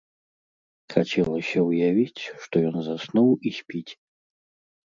Хацелася ўявіць, што ён заснуў і спіць.